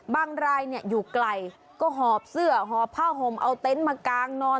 รายอยู่ไกลก็หอบเสื้อหอบผ้าห่มเอาเต็นต์มากางนอน